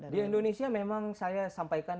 di indonesia memang saya sampaikan